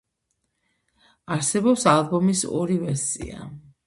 არსებობს ალბომის ორი ვერსია.